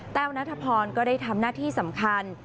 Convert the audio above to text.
นัทพรก็ได้ทำหน้าที่สำคัญ